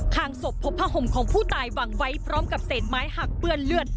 ข้างศพพบผ้าห่มของผู้ตายวางไว้พร้อมกับเศษไม้หักเปื้อนเลือด